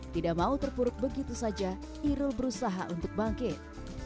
tidak mau terpuruk begitu saja irul berusaha untuk bangkit